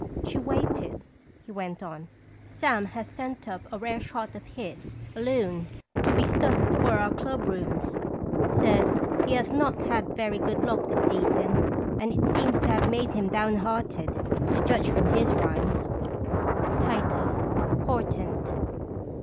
She waited. He went on :" Sam has sent up a rare shot of his, a loon, to be stuffed for our club rooms. Says he has not had very good luck this season, and it seems to have made him downhearted, to judge from his rhymes : 241 PORTENT.